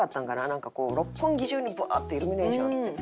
なんか六本木中にブワッてイルミネーションがあって。